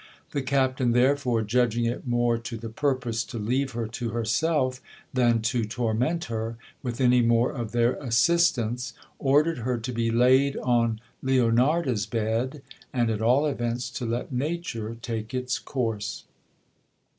The captain, therefore, judging it more to the purpose to leave her to herself than to torment her with any more of their assistance, ordered her to be laid on Leonarda's bed, and at all events to let nature take its course.